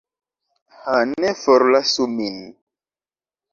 Ha, ne forlasu min!